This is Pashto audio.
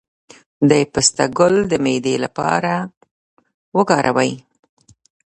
د پسته ګل د معدې لپاره وکاروئ